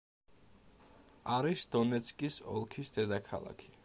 არის დონეცკის ოლქის დედაქალაქი.